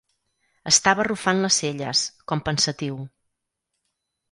Estava arrufant les celles, com pensatiu.